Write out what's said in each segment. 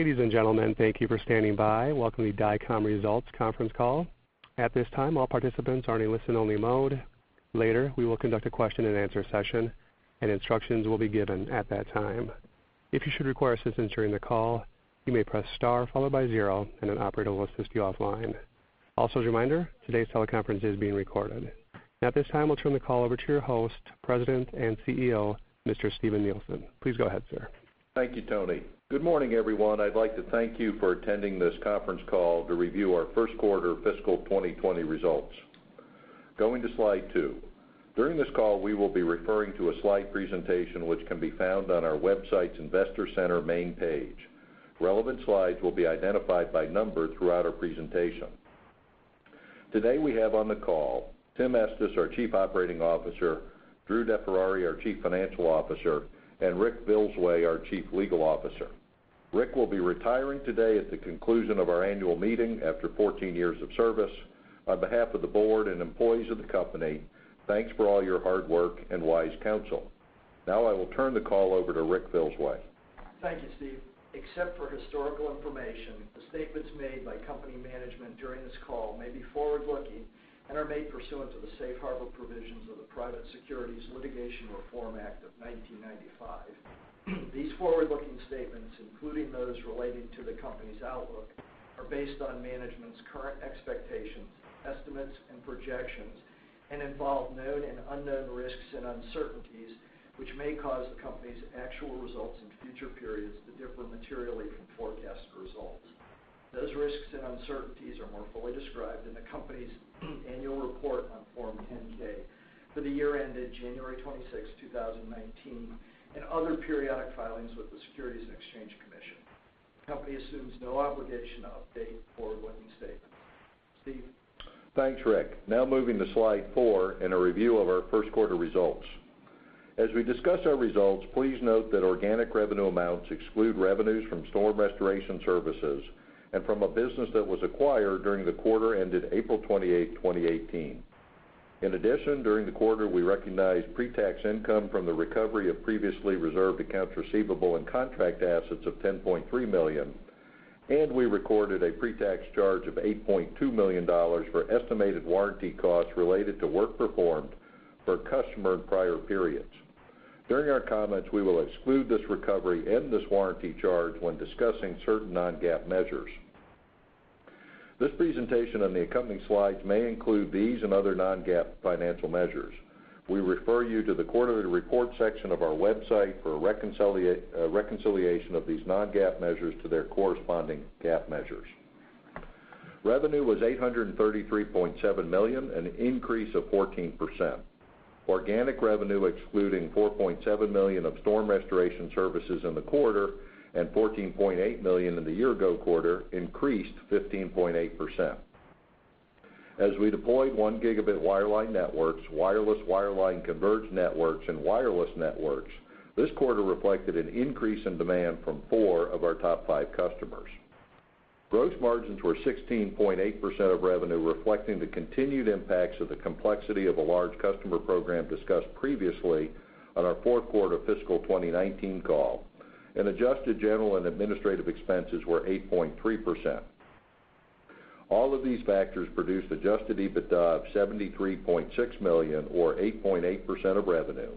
Ladies and gentlemen, thank you for standing by. Welcome to Dycom Results Conference Call. At this time, all participants are in a listen-only mode. Later, we will conduct a question and answer session, and instructions will be given at that time. If you should require assistance during the call, you may press star followed by zero, and an operator will assist you offline. Also, as a reminder, today's teleconference is being recorded. At this time, I will turn the call over to your host, President and CEO, Mr. Steven Nielsen. Please go ahead, sir. Thank you, Tony. Good morning, everyone. I would like to thank you for attending this conference call to review our first quarter fiscal 2020 results. Going to slide two. During this call, we will be referring to a slide presentation, which can be found on our website's investor center main page. Relevant slides will be identified by number throughout our presentation. Today, we have on the call Tim Estes, our Chief Operating Officer, Drew DeFerrari, our Chief Financial Officer, and Rick Vilsosky, our Chief Legal Officer. Rick will be retiring today at the conclusion of our annual meeting after 14 years of service. On behalf of the board and employees of the company, thanks for all your hard work and wise counsel. I will turn the call over to Rick Vilsosky. Thank you, Steve. Except for historical information, the statements made by company management during this call may be forward-looking and are made pursuant to the safe harbor provisions of the Private Securities Litigation Reform Act of 1995. These forward-looking statements, including those relating to the company's outlook, are based on management's current expectations, estimates, and projections, and involve known and unknown risks and uncertainties, which may cause the company's actual results in future periods to differ materially from forecasted results. Those risks and uncertainties are more fully described in the company's annual report on Form 10-K for the year ended January 26, 2019, and other periodic filings with the Securities and Exchange Commission. The company assumes no obligation to update forward-looking statements. Steve? Thanks, Rick. Moving to slide four and a review of our first quarter results. As we discuss our results, please note that organic revenue amounts exclude revenues from store restoration services and from a business that was acquired during the quarter ended April 28, 2018. In addition, during the quarter, we recognized pre-tax income from the recovery of previously reserved accounts receivable and contract assets of $10.3 million, and we recorded a pre-tax charge of $8.2 million for estimated warranty costs related to work performed for a customer in prior periods. During our comments, we will exclude this recovery and this warranty charge when discussing certain non-GAAP measures. This presentation on the accompanying slides may include these and other non-GAAP financial measures. We refer you to the Quarterly Report section of our website for a reconciliation of these non-GAAP measures to their corresponding GAAP measures. Revenue was $833.7 million, an increase of 14%. Organic revenue, excluding $4.7 million of storm restoration services in the quarter and $14.8 million in the year-ago quarter, increased 15.8%. As we deployed one gigabit wireline networks, wireless wireline converged networks, and wireless networks, this quarter reflected an increase in demand from four of our top five customers. Gross margins were 16.8% of revenue, reflecting the continued impacts of the complexity of a large customer program discussed previously on our fourth quarter fiscal 2019 call, adjusted general and administrative expenses were 8.3%. All of these factors produced adjusted EBITDA of $73.6 million or 8.8% of revenue,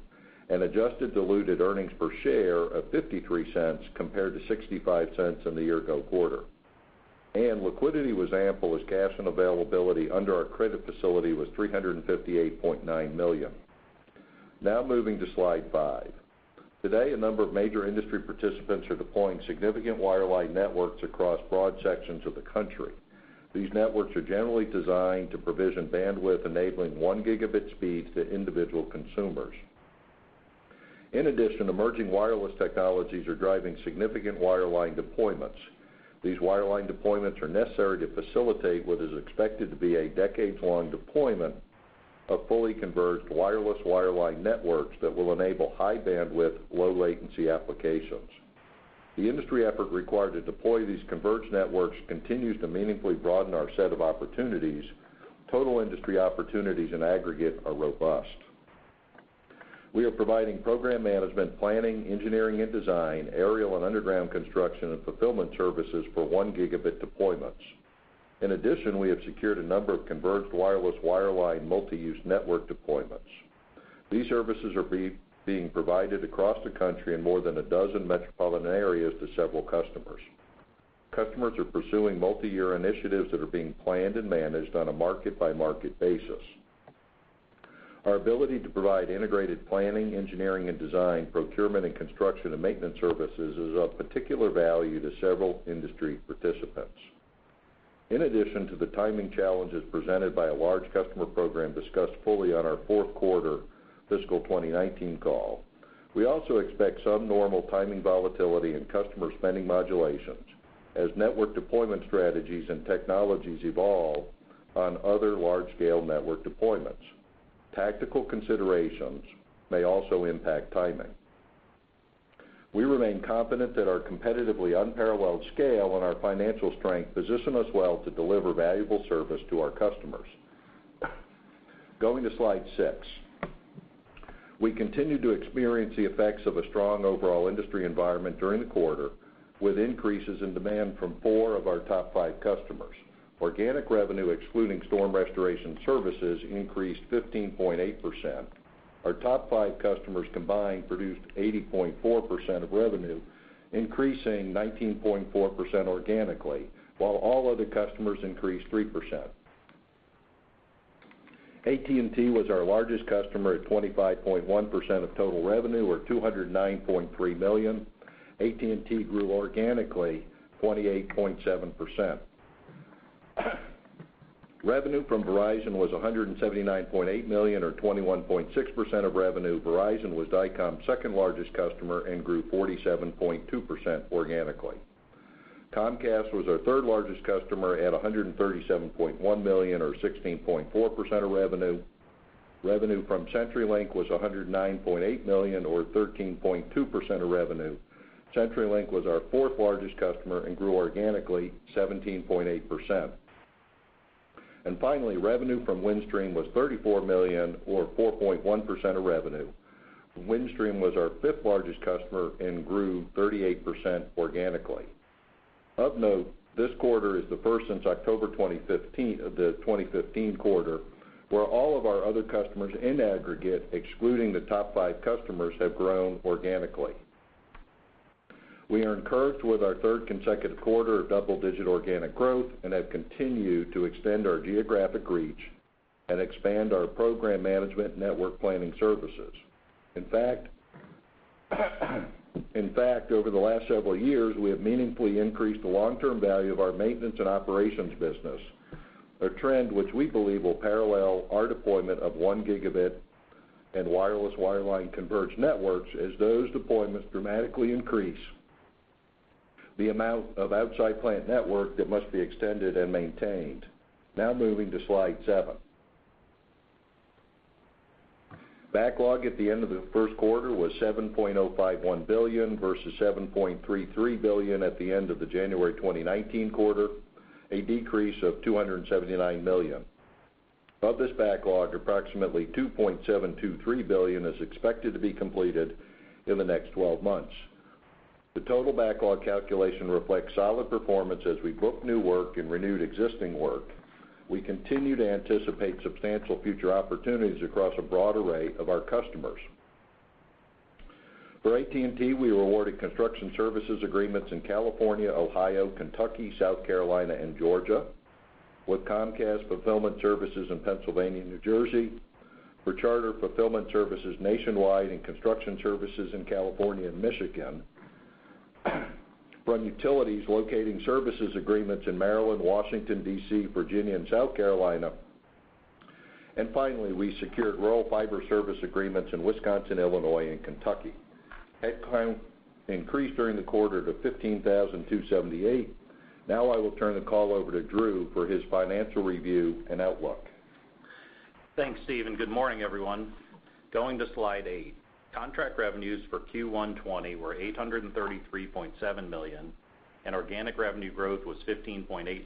and adjusted diluted earnings per share of $0.53 compared to $0.65 in the year-ago quarter. Liquidity was ample as cash and availability under our credit facility was $358.9 million. Moving to slide five. Today, a number of major industry participants are deploying significant wireline networks across broad sections of the country. These networks are generally designed to provision bandwidth enabling one gigabit speeds to individual consumers. In addition, emerging wireless technologies are driving significant wireline deployments. These wireline deployments are necessary to facilitate what is expected to be a decades-long deployment of fully converged wireless wireline networks that will enable high bandwidth, low latency applications. The industry effort required to deploy these converged networks continues to meaningfully broaden our set of opportunities. Total industry opportunities in aggregate are robust. We are providing program management, planning, engineering and design, aerial and underground construction, and fulfillment services for one gigabit deployments. In addition, we have secured a number of converged wireless wireline multi-use network deployments. These services are being provided across the country in more than a dozen metropolitan areas to several customers. Customers are pursuing multi-year initiatives that are being planned and managed on a market-by-market basis. Our ability to provide integrated planning, engineering and design, procurement and construction and maintenance services is of particular value to several industry participants. In addition to the timing challenges presented by a large customer program discussed fully on our fourth quarter fiscal 2019 call, we also expect some normal timing volatility and customer spending modulations as network deployment strategies and technologies evolve on other large-scale network deployments. Tactical considerations may also impact timing. We remain confident that our competitively unparalleled scale and our financial strength position us well to deliver valuable service to our customers. Going to slide six. We continue to experience the effects of a strong overall industry environment during the quarter, with increases in demand from four of our top five customers. Organic revenue, excluding storm restoration services, increased 15.8%. Our top five customers combined produced 80.4% of revenue, increasing 19.4% organically, while all other customers increased 3%. AT&T was our largest customer at 25.1% of total revenue, or $209.3 million. AT&T grew organically 28.7%. Revenue from Verizon was $179.8 million, or 21.6% of revenue. Verizon was Dycom's second largest customer and grew 47.2% organically. Comcast was our third largest customer at $137.1 million, or 16.4% of revenue. Revenue from CenturyLink was $109.8 million, or 13.2% of revenue. CenturyLink was our fourth largest customer and grew organically 17.8%. Finally, revenue from Windstream was $34 million, or 4.1% of revenue. Windstream was our fifth largest customer and grew 38% organically. Of note, this quarter is the first since October 2015, the 2015 quarter, where all of our other customers in aggregate, excluding the top five customers, have grown organically. We are encouraged with our third consecutive quarter of double-digit organic growth and have continued to extend our geographic reach and expand our program management network planning services. In fact, over the last several years, we have meaningfully increased the long-term value of our maintenance and operations business, a trend which we believe will parallel our deployment of one gigabit and wireless wireline converged networks, as those deployments dramatically increase the amount of outside plant network that must be extended and maintained. Now moving to slide seven. Backlog at the end of the first quarter was $7.051 billion, versus $7.33 billion at the end of the January 2019 quarter, a decrease of $279 million. Of this backlog, approximately $2.723 billion is expected to be completed in the next 12 months. The total backlog calculation reflects solid performance as we book new work and renewed existing work. We continue to anticipate substantial future opportunities across a broad array of our customers. For AT&T, we were awarded construction services agreements in California, Ohio, Kentucky, South Carolina, and Georgia. With Comcast, fulfillment services in Pennsylvania and New Jersey. For Charter, fulfillment services nationwide and construction services in California and Michigan. From Utilities, locating services agreements in Maryland, Washington D.C., Virginia, and South Carolina. Finally, we secured rural fiber service agreements in Wisconsin, Illinois, and Kentucky. Headcount increased during the quarter to 15,278. Now I will turn the call over to Drew for his financial review and outlook. Thanks, Steve, and good morning, everyone. Going to slide eight. Contract revenues for Q1 2020 were $833.7 million, and organic revenue growth was 15.8%,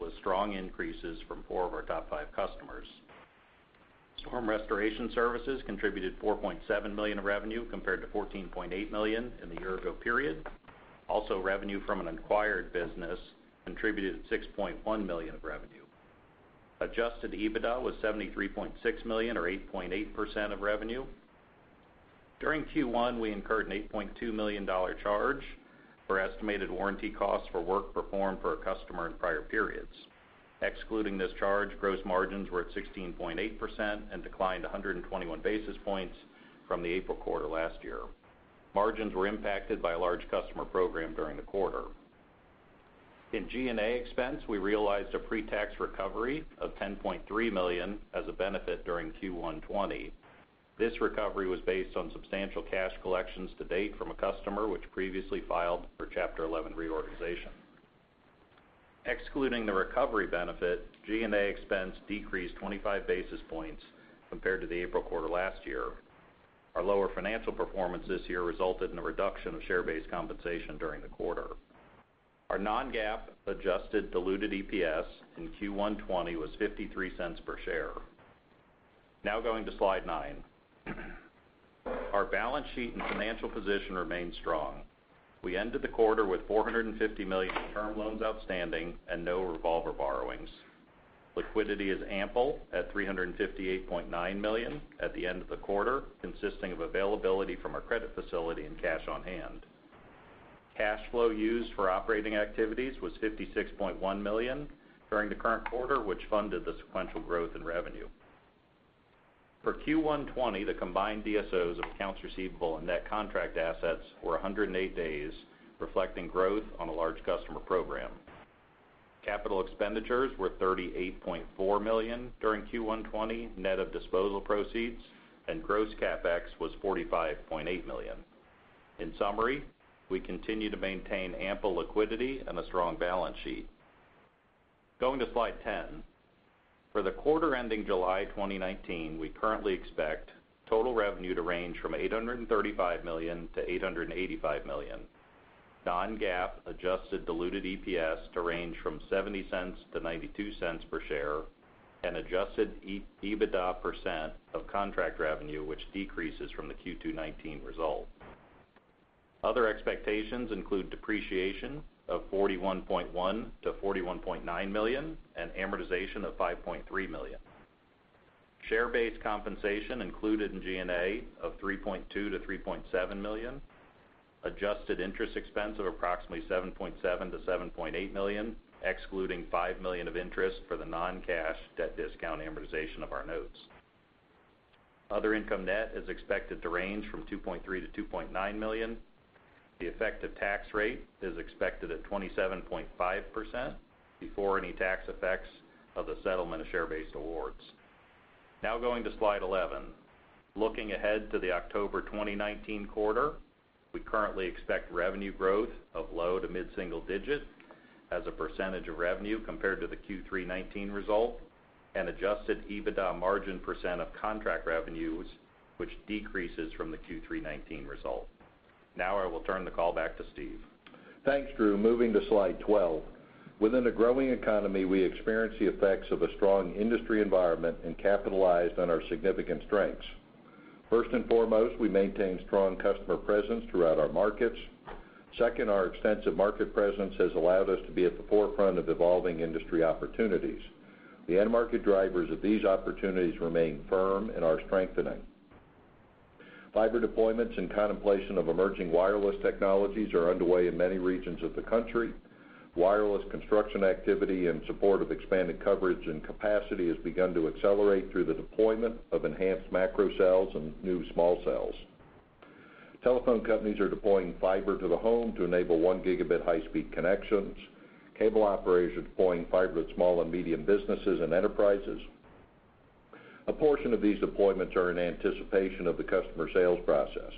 with strong increases from four of our top five customers. Storm restoration services contributed $4.7 million of revenue compared to $14.8 million in the year-ago period. Also, revenue from an acquired business contributed $6.1 million of revenue. Adjusted EBITDA was $73.6 million, or 8.8% of revenue. During Q1, we incurred an $8.2 million charge for estimated warranty costs for work performed for a customer in prior periods. Excluding this charge, gross margins were at 16.8% and declined 121 basis points from the April quarter last year. Margins were impacted by a large customer program during the quarter. In G&A expense, we realized a pre-tax recovery of $10.3 million as a benefit during Q1 2020. This recovery was based on substantial cash collections to date from a customer which previously filed for Chapter 11 reorganization. Excluding the recovery benefit, G&A expense decreased 25 basis points compared to the April quarter last year. Our lower financial performance this year resulted in a reduction of share-based compensation during the quarter. Our non-GAAP adjusted diluted EPS in Q1 2020 was $0.53 per share. Now going to slide nine. Our balance sheet and financial position remain strong. We ended the quarter with $450 million in term loans outstanding and no revolver borrowings. Liquidity is ample at $358.9 million at the end of the quarter, consisting of availability from our credit facility and cash on hand. Cash flow used for operating activities was $56.1 million during the current quarter, which funded the sequential growth in revenue. For Q1 2020, the combined DSOs of accounts receivable and net contract assets were 108 days, reflecting growth on a large customer program. Capital expenditures were $38.4 million during Q1 2020, net of disposal proceeds, and gross CapEx was $45.8 million. In summary, we continue to maintain ample liquidity and a strong balance sheet. Going to slide 10. For the quarter ending July 2019, we currently expect total revenue to range from $835 million-$885 million. Non-GAAP adjusted diluted EPS to range from $0.70-$0.92 per share, and adjusted EBITDA % of contract revenue, which decreases from the Q2 2019 result. Other expectations include depreciation of $41.1 million-$41.9 million and amortization of $5.3 million. Share-based compensation included in G&A of $3.2 million-$3.7 million. Adjusted interest expense of approximately $7.7 million-$7.8 million, excluding $5 million of interest for the non-cash debt discount amortization of our notes. Other income net is expected to range from $2.3 million-$2.9 million. The effective tax rate is expected at 27.5% before any tax effects of the settlement of share-based awards. Going to slide 11. Looking ahead to the October 2019 quarter, we currently expect revenue growth of low to mid-single digit as a % of revenue compared to the Q3 2019 result, and adjusted EBITDA margin % of contract revenues, which decreases from the Q3 2019 result. I will turn the call back to Steve. Thanks, Drew. Moving to slide 12. Within a growing economy, we experience the effects of a strong industry environment and capitalized on our significant strengths. First and foremost, we maintain strong customer presence throughout our markets. Second, our extensive market presence has allowed us to be at the forefront of evolving industry opportunities. The end market drivers of these opportunities remain firm and are strengthening. Fiber deployments and contemplation of emerging wireless technologies are underway in many regions of the country. Wireless construction activity in support of expanded coverage and capacity has begun to accelerate through the deployment of enhanced macro cells and new small cells. Telephone companies are deploying fiber to the home to enable one gigabit high-speed connections. Cable operators are deploying fiber to small and medium businesses and enterprises. A portion of these deployments are in anticipation of the customer sales process.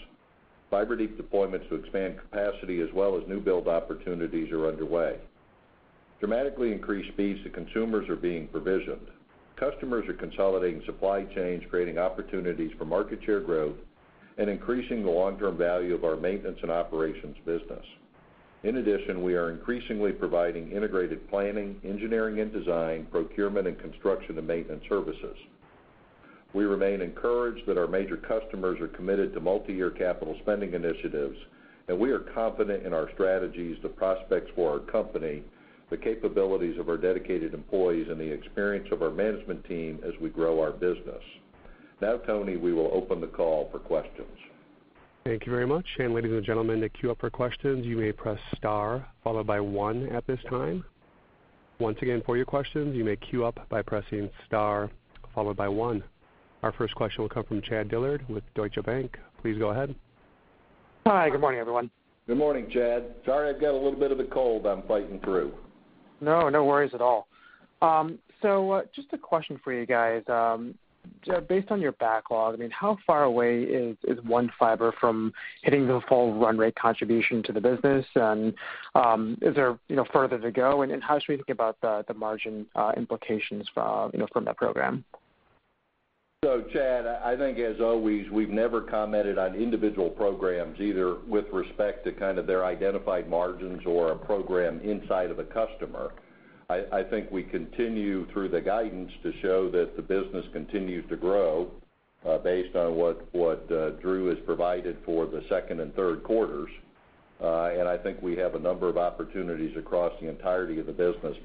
Fiber deep deployments to expand capacity as well as new build opportunities are underway. Dramatically increased speeds to consumers are being provisioned. Customers are consolidating supply chains, creating opportunities for market share growth, and increasing the long-term value of our maintenance and operations business. In addition, we are increasingly providing integrated planning, engineering and design, procurement and construction and maintenance services. We remain encouraged that our major customers are committed to multi-year capital spending initiatives, and we are confident in our strategies, the prospects for our company, the capabilities of our dedicated employees, and the experience of our management team as we grow our business. Tony, we will open the call for questions. Thank you very much. Ladies and gentlemen, to queue up for questions, you may press star followed by one at this time. Once again, for your questions, you may queue up by pressing star followed by one. Our first question will come from Chad Dillard with Deutsche Bank. Please go ahead. Hi, good morning, everyone. Good morning, Chad. Sorry, I've got a little bit of a cold I'm fighting through. No, no worries at all. Just a question for you guys. Based on your backlog, how far away is One Fiber from hitting the full run rate contribution to the business, and is there further to go, and how should we think about the margin implications from that program? Chad, I think as always, we've never commented on individual programs, either with respect to kind of their identified margins or a program inside of a customer. I think we continue through the guidance to show that the business continues to grow based on what Drew has provided for the second and third quarters. I think we have a number of opportunities across the entirety of the business.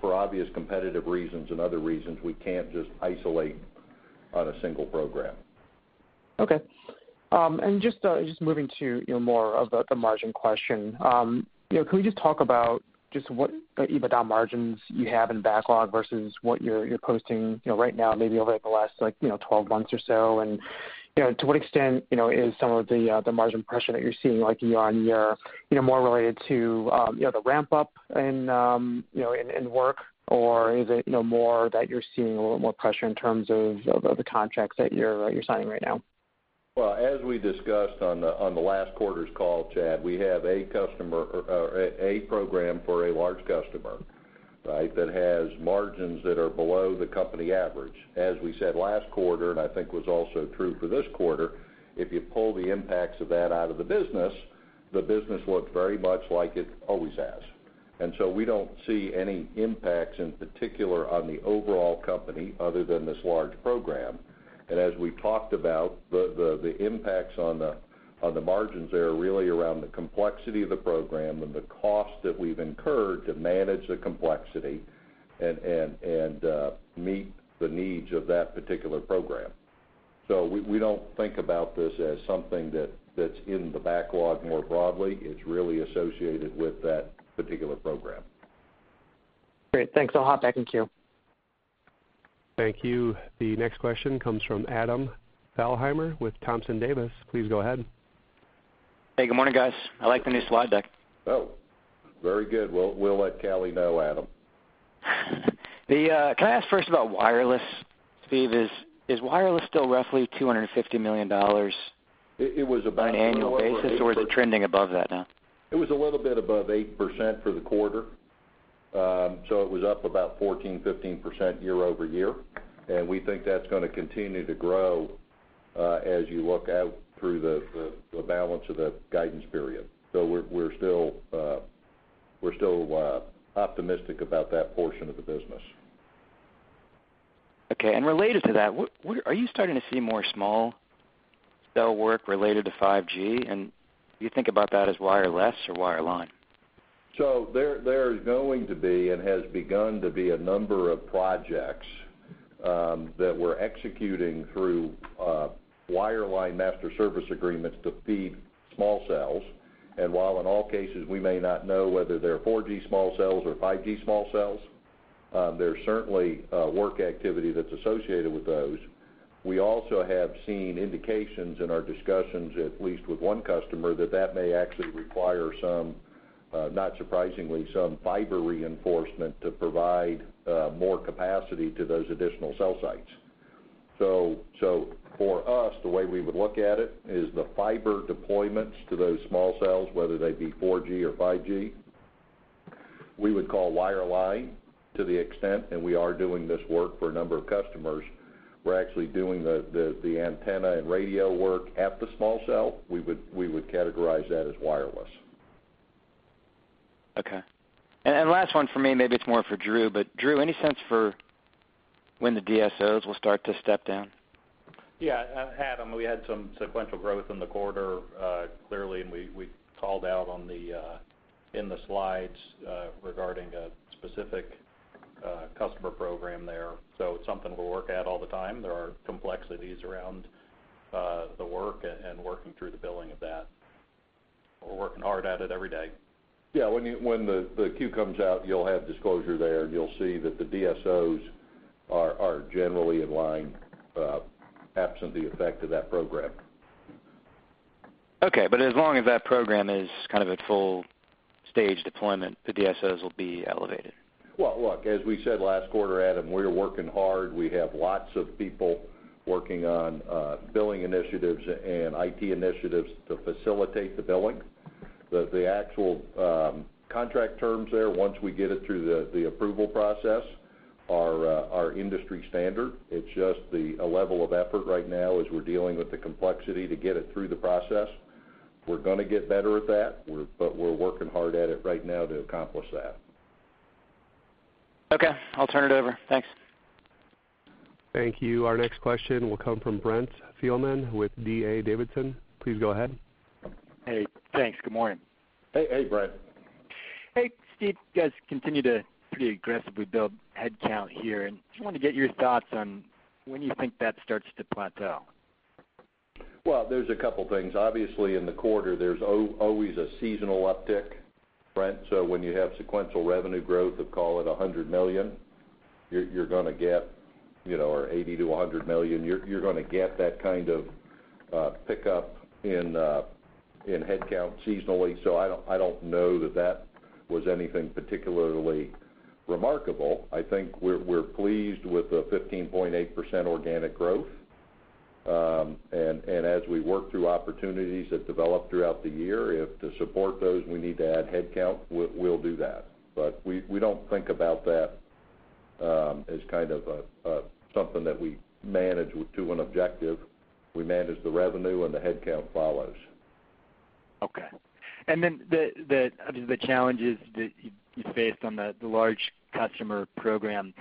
For obvious competitive reasons and other reasons, we can't just isolate on a single program. Okay. Just moving to more of the margin question. Can we just talk about just what the EBITDA margins you have in backlog versus what you're posting right now, maybe over the last 12 months or so, and to what extent is some of the margin pressure that you're seeing more related to the ramp-up in work, or is it more that you're seeing a little more pressure in terms of the contracts that you're signing right now? Well, as we discussed on the last quarter's call, Chad, we have a program for a large customer that has margins that are below the company average. As we said last quarter, I think was also true for this quarter, if you pull the impacts of that out of the business, the business looked very much like it always has. We don't see any impacts in particular on the overall company other than this large program. As we talked about, the impacts on the margins there are really around the complexity of the program and the cost that we've incurred to manage the complexity and meet the needs of that particular program. We don't think about this as something that's in the backlog more broadly. It's really associated with that particular program. Great. Thanks. I'll hop back in queue. Thank you. The next question comes from Adam Thalhimer with Thompson Davis. Please go ahead. Hey, good morning, guys. I like the new slide deck. Oh, very good. We'll let Callie know, Adam. Can I ask first about wireless, Steve? Is wireless still roughly $250 million on an annual basis, or is it trending above that now? It was a little bit above 8% for the quarter. It was up about 14%-15% year-over-year. We think that's going to continue to grow as you look out through the balance of the guidance period. We're still optimistic about that portion of the business. Okay. Related to that, are you starting to see more small cell work related to 5G? Do you think about that as wireless or wireline? There is going to be, and has begun to be, a number of projects that we're executing through wireline master service agreements to feed small cells. While in all cases we may not know whether they're 4G small cells or 5G small cells, there's certainly work activity that's associated with those. We also have seen indications in our discussions, at least with one customer, that that may actually require, not surprisingly, some fiber reinforcement to provide more capacity to those additional cell sites. For us, the way we would look at it is the fiber deployments to those small cells, whether they be 4G or 5G, we would call wireline to the extent, and we are doing this work for a number of customers. We're actually doing the antenna and radio work at the small cell. We would categorize that as wireless. Okay. Last one for me, maybe it's more for Drew. Drew, any sense for when the DSOs will start to step down? Adam, we had some sequential growth in the quarter, clearly. We called out in the slides regarding a specific customer program there. It's something we'll work at all the time. There are complexities around the work and working through the billing of that. We're working hard at it every day. When the Q comes out, you'll have disclosure there. You'll see that the DSOs are generally in line, absent the effect of that program. Okay. As long as that program is kind of at full stage deployment, the DSOs will be elevated. Look, as we said last quarter, Adam, we are working hard. We have lots of people working on billing initiatives and IT initiatives to facilitate the billing. The actual contract terms there, once we get it through the approval process, are industry standard. It's just a level of effort right now as we're dealing with the complexity to get it through the process. We're going to get better at that, we're working hard at it right now to accomplish that. Okay. I'll turn it over. Thanks. Thank you. Our next question will come from Brent Thielman with D.A. Davidson. Please go ahead. Hey, thanks. Good morning. Hey, Brent. Hey, Steve. You guys continue to pretty aggressively build headcount here, just wanted to get your thoughts on when you think that starts to plateau. Well, there's a couple things. Obviously, in the quarter, there's always a seasonal uptick, Brent. When you have sequential revenue growth of call it $100 million, or $80 million-$100 million, you're going to get that kind of pickup in headcount seasonally. I don't know that that was anything particularly remarkable. I think we're pleased with the 15.8% organic growth. As we work through opportunities that develop throughout the year, if to support those we need to add headcount, we'll do that. We don't think about that as kind of something that we manage to an objective. We manage the revenue, the headcount follows. Okay. The challenges that you faced on the large customer program,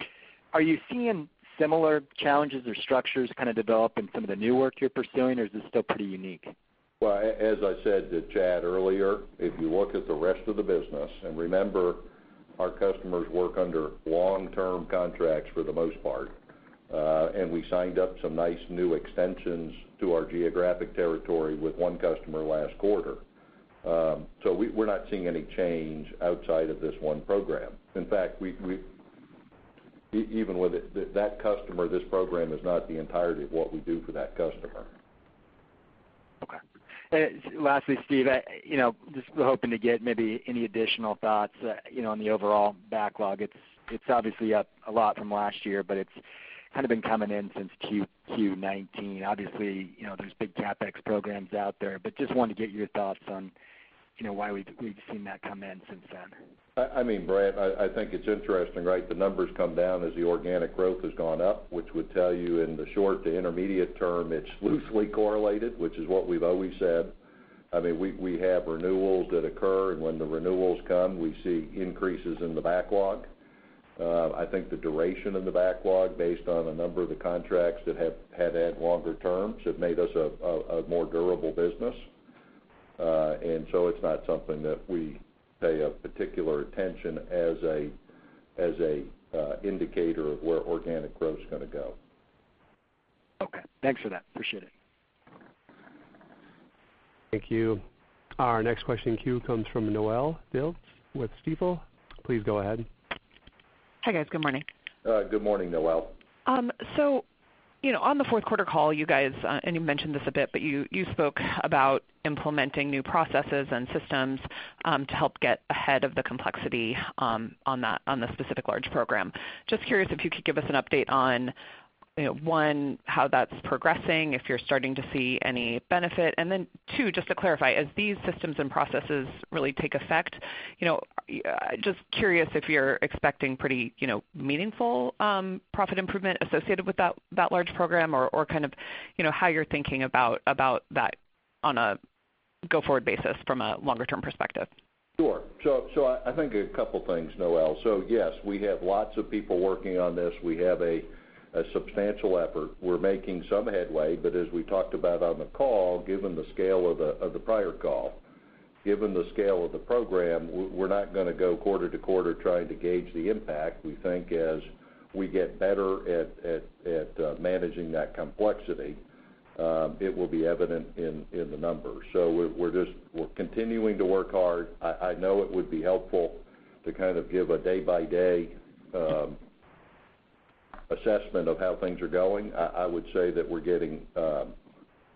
are you seeing similar challenges or structures kind of develop in some of the new work you're pursuing, or is this still pretty unique? Well, as I said to Chad earlier, if you look at the rest of the business, remember, our customers work under long-term contracts for the most part. We signed up some nice new extensions to our geographic territory with one customer last quarter. We're not seeing any change outside of this one program. In fact, even with that customer, this program is not the entirety of what we do for that customer. Lastly, Steve, just hoping to get maybe any additional thoughts on the overall backlog. It's obviously up a lot from last year, but it's kind of been coming in since Q19. Obviously, there's big CapEx programs out there, just wanted to get your thoughts on why we've seen that come in since then. Brent, I think it's interesting, right? The number's come down as the organic growth has gone up, which would tell you in the short to intermediate term, it's loosely correlated, which is what we've always said. We have renewals that occur, when the renewals come, we see increases in the backlog. I think the duration of the backlog, based on a number of the contracts that have had longer terms, have made us a more durable business. So it's not something that we pay a particular attention as a indicator of where organic growth's going to go. Okay. Thanks for that. Appreciate it. Thank you. Our next question in queue comes from Noelle Dilts with Stifel. Please go ahead. Hi, guys. Good morning. Good morning, Noelle. On the fourth quarter call, you guys, and you mentioned this a bit, but you spoke about implementing new processes and systems to help get ahead of the complexity on the specific large program. Just curious if you could give us an update on one, how that's progressing, if you're starting to see any benefit. Then two, just to clarify, as these systems and processes really take effect, just curious if you're expecting pretty meaningful profit improvement associated with that large program or how you're thinking about that on a go-forward basis from a longer-term perspective. Sure. I think a couple things, Noelle. Yes, we have lots of people working on this. We have a substantial effort. We're making some headway, but as we talked about on the call, given the scale of the program, we're not going to go quarter-to-quarter trying to gauge the impact. We think as we get better at managing that complexity, it will be evident in the numbers. We're just continuing to work hard. I know it would be helpful to kind of give a day-by-day assessment of how things are going. I would say that we're getting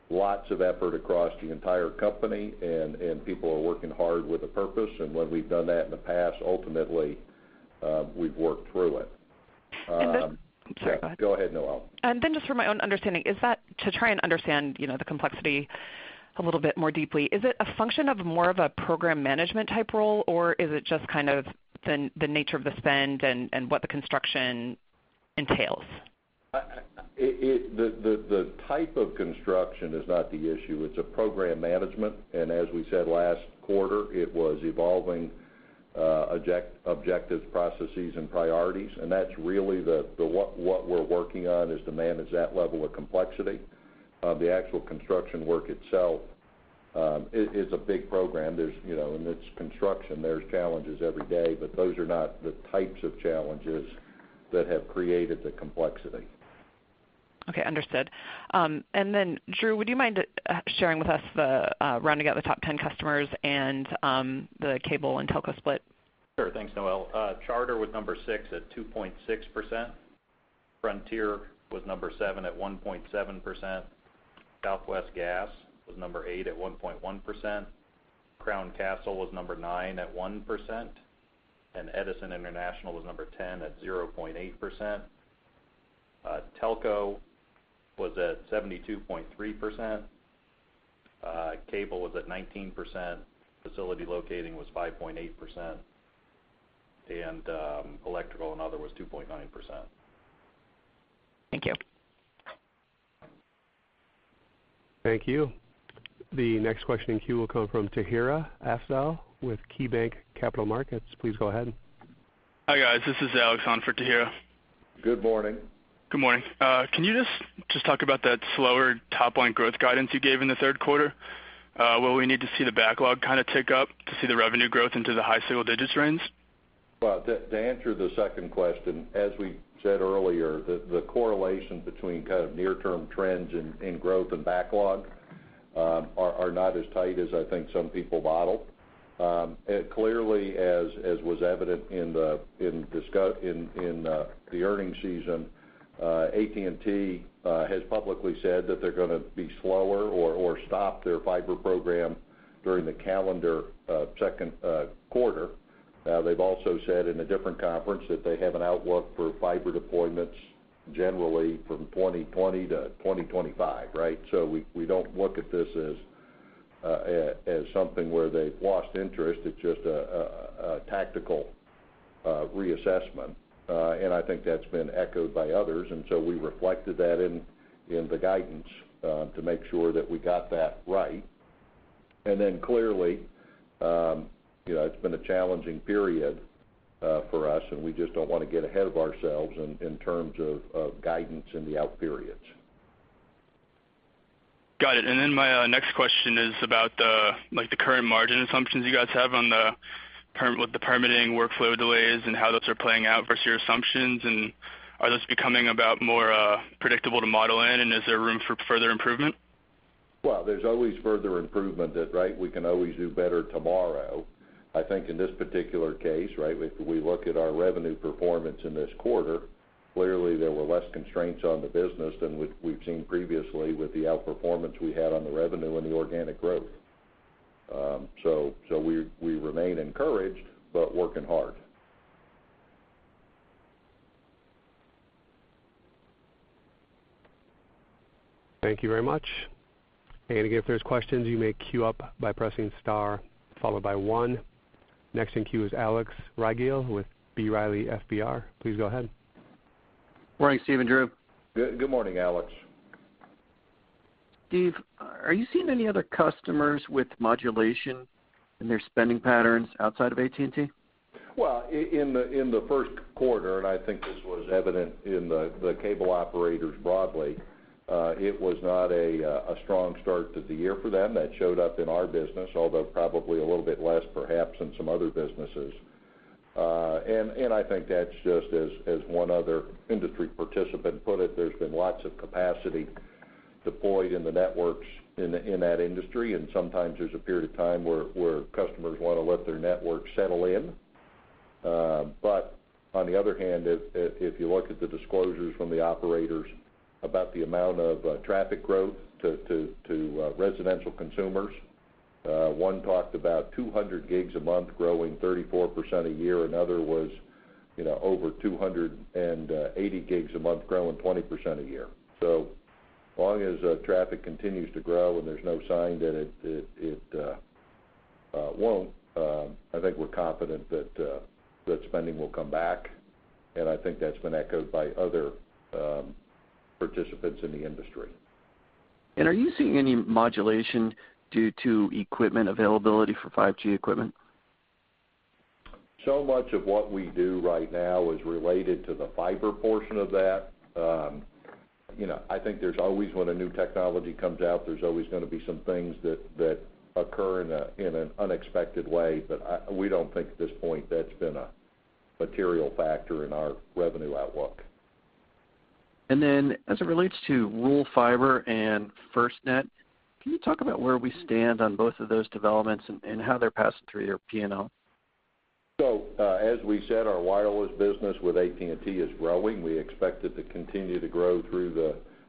lots of effort across the entire company, and people are working hard with a purpose. When we've done that in the past, ultimately, we've worked through it. I'm sorry, go ahead. Go ahead, Noelle. Just for my own understanding, to try and understand the complexity a little bit more deeply, is it a function of more of a program management type role, or is it just kind of the nature of the spend and what the construction entails? The type of construction is not the issue. It's a program management, as we said last quarter, it was evolving objectives, processes, and priorities. That's really what we're working on, is to manage that level of complexity. The actual construction work itself is a big program, and it's construction. There's challenges every day. Those are not the types of challenges that have created the complexity. Okay. Understood. Drew, would you mind sharing with us the rounding out the top 10 customers and the cable and telco split? Sure. Thanks, Noelle. Charter was number 6 at 2.6%. Frontier was number 7 at 1.7%. Southwest Gas was number 8 at 1.1%. Crown Castle was number 9 at 1%, and Edison International was number 10 at 0.8%. Telco was at 72.3%. Cable was at 19%. Facility locating was 5.8%, and electrical and other was 2.9%. Thank you. Thank you. The next question in queue will come from Tahira Afzal with KeyBanc Capital Markets. Please go ahead. Hi, guys. This is Alex on for Tahira. Good morning. Good morning. Can you just talk about that slower top-line growth guidance you gave in the third quarter? Will we need to see the backlog kind of tick up to see the revenue growth into the high single digits range? To answer the second question, as we said earlier, the correlation between kind of near-term trends in growth and backlog are not as tight as I think some people modeled. Clearly, as was evident in the earnings season, AT&T has publicly said that they're going to be slower or stop their fiber program during the calendar second quarter. They've also said in a different conference that they have an outlook for fiber deployments generally from 2020 to 2025, right? We don't look at this as something where they've lost interest. It's just a tactical reassessment. I think that's been echoed by others. We reflected that in the guidance to make sure that we got that right. Clearly, it's been a challenging period for us, and we just don't want to get ahead of ourselves in terms of guidance in the out periods. Got it. My next question is about the current margin assumptions you guys have with the permitting workflow delays and how those are playing out versus your assumptions. Are those becoming about more predictable to model in, and is there room for further improvement? Well, there's always further improvement, right? We can always do better tomorrow. I think in this particular case, right? If we look at our revenue performance in this quarter, clearly, there were less constraints on the business than we've seen previously with the outperformance we had on the revenue and the organic growth. We remain encouraged, but working hard. Thank you very much. Again, if there's questions, you may queue up by pressing star followed by one. Next in queue is Alex Rygiel with B. Riley FBR. Please go ahead. Morning, Steve and Drew. Good morning, Alex. Steve, are you seeing any other customers with modulation in their spending patterns outside of AT&T? Well, in the first quarter, I think this was evident in the cable operators broadly, it was not a strong start to the year for them. That showed up in our business, although probably a little bit less, perhaps in some other businesses. I think that's just as one other industry participant put it, there's been lots of capacity deployed in the networks in that industry, and sometimes there's a period of time where customers want to let their network settle in. On the other hand, if you look at the disclosures from the operators about the amount of traffic growth to residential consumers, one talked about 200 gigs a month growing 34% a year. Another was over 280 gigs a month growing 20% a year. As long as traffic continues to grow, and there's no sign that it won't, I think we're confident that spending will come back, and I think that's been echoed by other participants in the industry. Are you seeing any modulation due to equipment availability for 5G equipment? Much of what we do right now is related to the fiber portion of that. I think when a new technology comes out, there's always going to be some things that occur in an unexpected way, but we don't think at this point that's been a material factor in our revenue outlook. As it relates to rural fiber and FirstNet, can you talk about where we stand on both of those developments and how they're passing through your P&L? As we said, our wireless business with AT&T is growing. We expect it to continue to grow through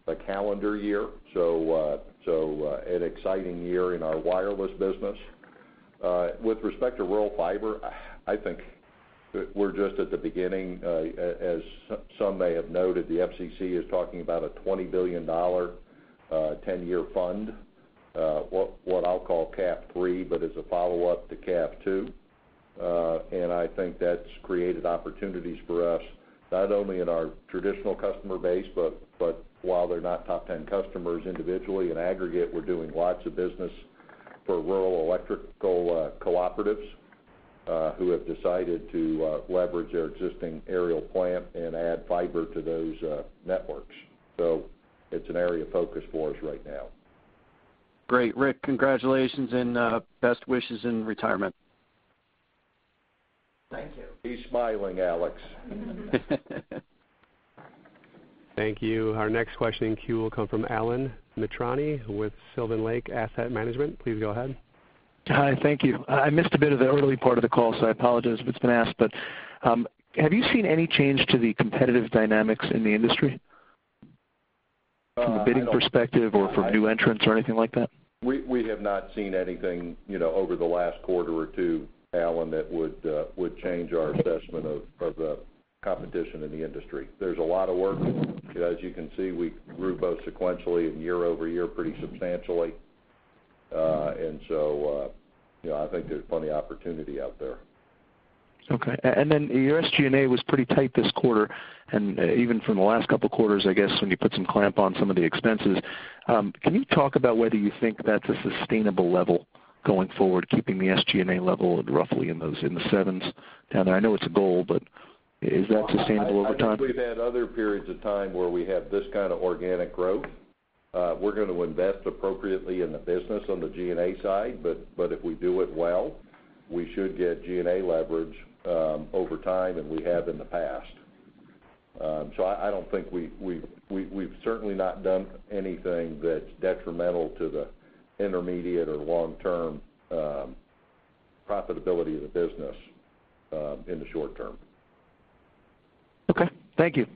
the calendar year. An exciting year in our wireless business. With respect to rural fiber, I think we're just at the beginning. As some may have noted, the FCC is talking about a $20 billion 10-year fund, what I'll call CAF III, but as a follow-up to CAF II. I think that's created opportunities for us, not only in our traditional customer base, but while they're not top 10 customers individually, in aggregate, we're doing lots of business for rural electrical cooperatives who have decided to leverage their existing aerial plant and add fiber to those networks. It's an area of focus for us right now. Great, Rick. Congratulations and best wishes in retirement. Thank you. He's smiling, Alex. Thank you. Our next question in queue will come from Allen Mitrani with Sylvan Lake Asset Management. Please go ahead. Hi, thank you. I missed a bit of the early part of the call, so I apologize if it's been asked, but have you seen any change to the competitive dynamics in the industry? I don't- From a bidding perspective or from new entrants or anything like that? We have not seen anything over the last quarter or two, Allen, that would change our assessment of the competition in the industry. There's a lot of work. As you can see, we grew both sequentially and year-over-year pretty substantially. I think there's plenty opportunity out there. Okay, your SG&A was pretty tight this quarter and even from the last couple of quarters, I guess, when you put some clamp on some of the expenses. Can you talk about whether you think that's a sustainable level going forward, keeping the SG&A level roughly in the sevens down there? I know it's a goal, but is that sustainable over time? I think we've had other periods of time where we have this kind of organic growth. We're going to invest appropriately in the business on the G&A side. If we do it well, we should get G&A leverage over time, and we have in the past. I don't think we've certainly not done anything that's detrimental to the intermediate or long-term profitability of the business in the short term. Okay. Thank you.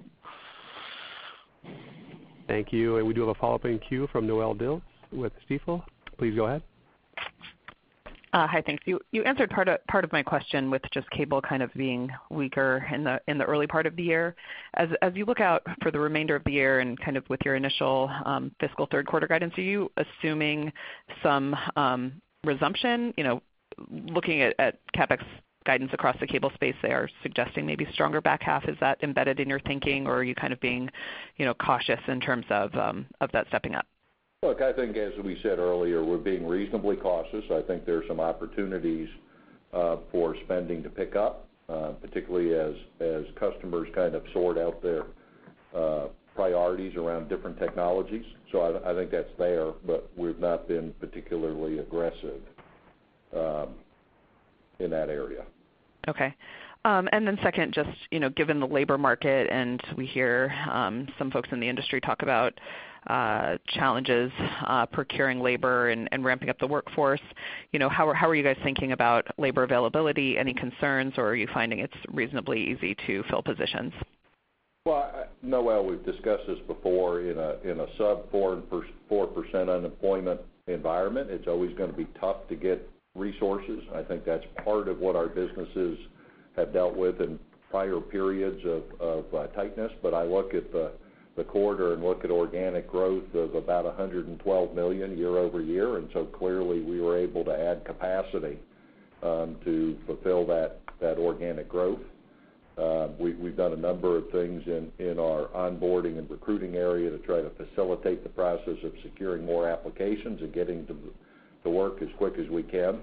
Thank you. We do have a follow-up in queue from Noelle Dilts with Stifel. Please go ahead. Hi, thanks. You answered part of my question with just cable kind of being weaker in the early part of the year. As you look out for the remainder of the year and with your initial fiscal third quarter guidance, are you assuming some resumption? Looking at CapEx guidance across the cable space there suggesting maybe stronger back half, is that embedded in your thinking or are you kind of being cautious in terms of that stepping up? I think as we said earlier, we're being reasonably cautious. I think there's some opportunities for spending to pick up, particularly as customers kind of sort out their priorities around different technologies. I think that's there, but we've not been particularly aggressive in that area. Okay. Second, just given the labor market, we hear some folks in the industry talk about challenges procuring labor and ramping up the workforce. How are you guys thinking about labor availability? Any concerns, are you finding it's reasonably easy to fill positions? Well, Noelle, we've discussed this before. In a sub 4% unemployment environment, it's always going to be tough to get resources. I think that's part of what our businesses have dealt with in prior periods of tightness. I look at the quarter and look at organic growth of about $112 million year-over-year, clearly we were able to add capacity to fulfill that organic growth. We've done a number of things in our onboarding and recruiting area to try to facilitate the process of securing more applications and getting to work as quick as we can.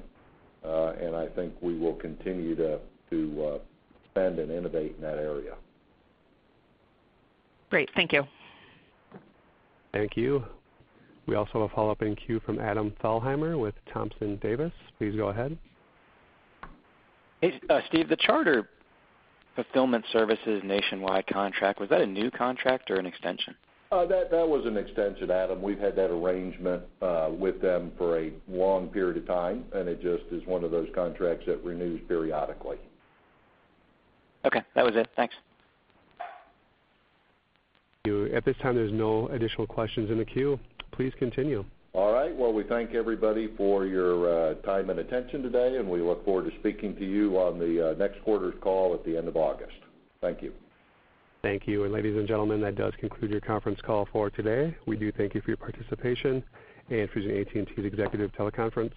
I think we will continue to spend and innovate in that area. Great. Thank you. Thank you. We also have a follow-up in queue from Adam Thalhimer with Thompson Davis. Please go ahead. Hey, Steve. The Charter fulfillment services nationwide contract, was that a new contract or an extension? That was an extension, Adam. It just is one of those contracts that renews periodically. Okay. That was it. Thanks. At this time, there's no additional questions in the queue. Please continue. All right. Well, we thank everybody for your time and attention today. We look forward to speaking to you on the next quarter's call at the end of August. Thank you. Thank you. Ladies and gentlemen, that does conclude your conference call for today. We do thank you for your participation in Fusion AT&T's executive teleconference.